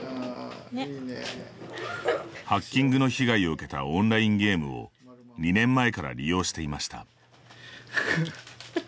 ハッキングの被害を受けたオンラインゲームを２年前から利用していました。